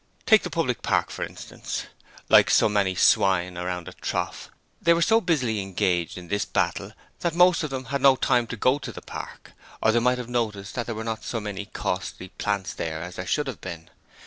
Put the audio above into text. Take the public park for instance. Like so many swine around a trough they were so busily engaged in this battle that most of them had no time to go to the park, or they might have noticed that there were not so many costly plants there as there should have been.